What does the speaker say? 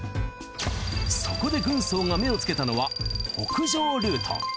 そこで軍曹が目をつけたのは北上ルート。